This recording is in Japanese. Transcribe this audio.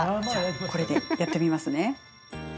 じゃあ、これでやってみますね。